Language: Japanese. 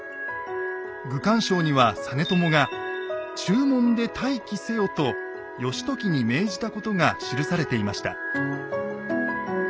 「愚管抄」には実朝が「中門で待機せよ」と義時に命じたことが記されていました。